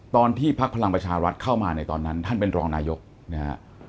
ภักดิ์พลังประชารัฐเข้ามาในตอนนั้นท่านเป็นรองนายกนะฮะ